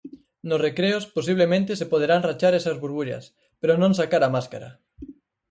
Nos recreos, posiblemente se poderán rachar esas burbullas, pero non sacar a máscara.